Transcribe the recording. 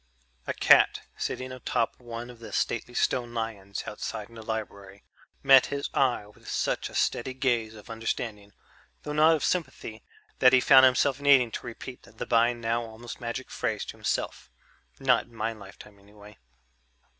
A cat sitting atop one of the stately stone lions outside the library met his eye with such a steady gaze of understanding, though not of sympathy, that he found himself needing to repeat the by now almost magic phrase to himself: "Not in my lifetime anyway."